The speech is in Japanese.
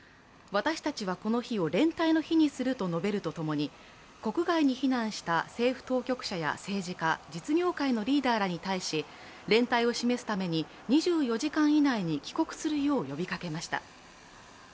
私たちはこの日を連帯の日にすると述べるとともに国外に避難した政府当局者や政治家、実業界のリーダーらに対し、連帯を示すために２４時間以内に帰国するよう呼びかけました。